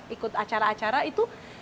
ikut acara acara itu